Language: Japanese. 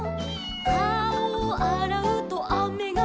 「かおをあらうとあめがふる」